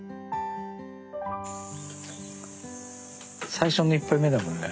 最初の１杯目だもんね。